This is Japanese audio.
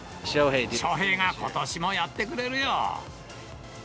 翔平がことしもやってくれるよ。